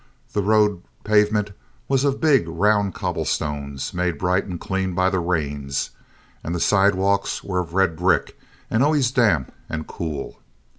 The road pavement was of big, round cobblestones, made bright and clean by the rains; and the sidewalks were of red brick, and always damp and cool.